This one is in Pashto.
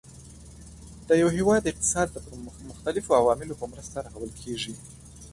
د یو هیواد اقتصاد د مختلفو عواملو په مرسته رغول کیږي.